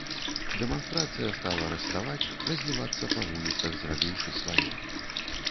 Дэманстрацыя стала раставаць, разлівацца па вуліцах, зрабіўшы сваё.